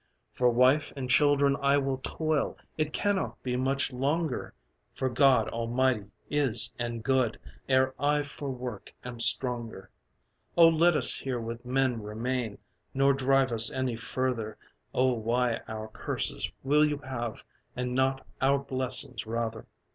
"For wife and children I will toil: It cannot be much longer (For God almighty is and good!) Ere I for work am stronger. Oh let us here with men remain, Nor drive us any further! Oh why our curses will you have, And not our blessings rather!"